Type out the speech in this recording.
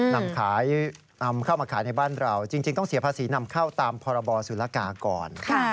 นำเข้ามาขายในบ้านเราจริงต้องเสียภาษีนำเข้าตามพรบสุรกาก่อน